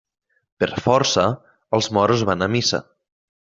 Per força, els moros van a missa.